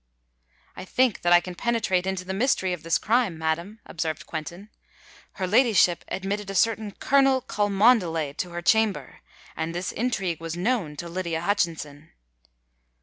"I think that I can penetrate into the mystery of this crime, madam," observed Quentin. "Her ladyship admitted a certain Colonel Cholmondeley to her chamber; and this intrigue was known to Lydia Hutchinson."